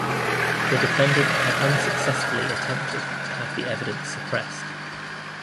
The defendant had unsuccessfully attempted to have the evidence suppressed.